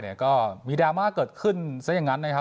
เนี่ยก็มีเกิดขึ้นซะอย่างงั้นนะครับ